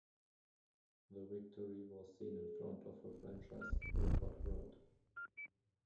The victory was seen in front of a franchise-record crowd.